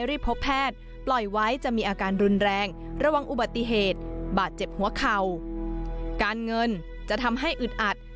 อุบัติเหตุบาดเจ็บหัวเข่าการเงินจะทำให้อึดอัด